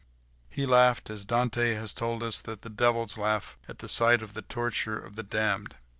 He laughed, as Dante has told us that the devils laugh at sight of the torture of the damned.